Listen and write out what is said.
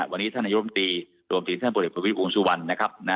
วันนี้ท่านรายกรรมตรีรวมถึงท่านปฏิบัติกรุงสุวรรณ